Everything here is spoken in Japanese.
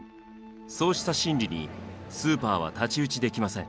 そうした心理にスーパーは太刀打ちできません。